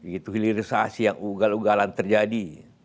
itu hilirisasi yang ugal ugalan terjadi